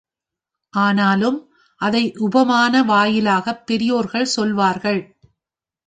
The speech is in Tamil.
ஆனாலும் அதை உபமான வாயிலாகப் பெரியோர்கள் சொல்வார்கள்.